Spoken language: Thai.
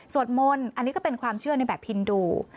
มนต์อันนี้ก็เป็นความเชื่อในแบบพินดู